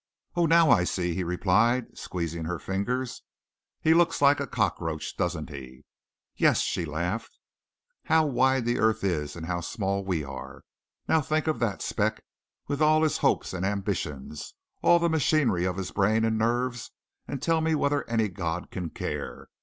"Oh, now I see," he replied, squeezing her fingers. "He looks like a cockroach, doesn't he?" "Yes," she laughed. "How wide the earth is and how small we are. Now think of that speck with all his hopes and ambitions all the machinery of his brain and nerves and tell me whether any God can care.